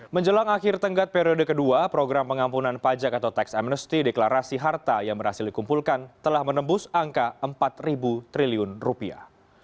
menjelang akhir tenggat periode kedua program pengampunan pajak atau tax amnesty deklarasi harta yang berhasil dikumpulkan telah menembus angka empat triliun rupiah